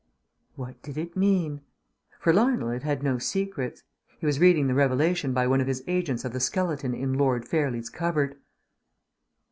_" What did it mean? For Lionel it had no secrets. He was reading the revelation by one of his agents of the skeleton in Lord Fairlie's cupboard!